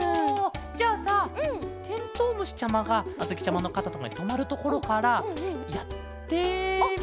じゃあさてんとうむしちゃまがあづきちゃまのかたとかにとまるところからやってみるのはどうケロ？